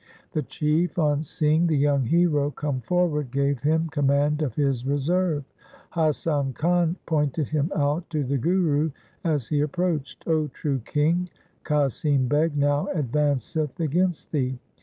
The chief, on seeing the young hero come forward, gave him command of his reserve. Hasan Khan pointed him out to the Guru as he approached, ' 0 true King, Qasim Beg now advanceth against thee.